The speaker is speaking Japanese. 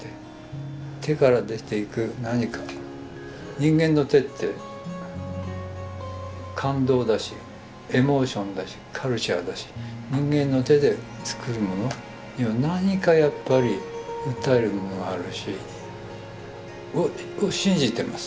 人間の「手」って感動だしエモーションだしカルチャーだし人間の手で作るものには何かやっぱり訴えるものがあるしを信じてます。